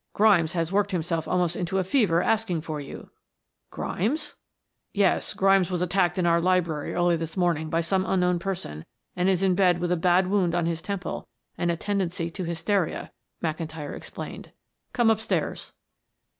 "Grimes has worked himself almost into a fever asking for you." "Grimes?" "Yes. Grimes was attacked in our library early this morning by some unknown person, and is in bed with a bad wound on his temple and a tendency to hysteria," McIntyre explained. "Come upstairs."